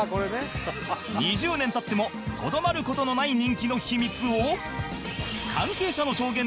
２０年経ってもとどまる事のない人気の秘密を